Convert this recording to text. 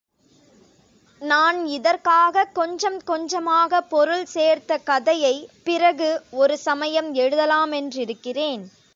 நான் இதற்காகக் கொஞ்சம் கொஞ்சமாகப் பொருள் சேர்த்த கதையை, பிறகு ஒரு சமயம் எழுதலா மென்றிருக்கிறேன்.